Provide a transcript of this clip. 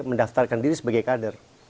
mendaftarkan diri sebagai kader